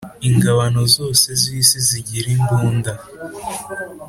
ingabano zose z isi zigirimbunda.